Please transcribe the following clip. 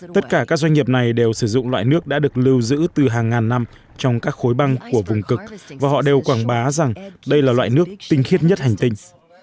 tất cả các doanh nghiệp này đều sử dụng loại nước đã được lưu giữ từ hàng ngàn năm trong các khối băng của vùng cực và họ đều quảng bá rằng đây là loại nước tinh khiết nhất hành tinh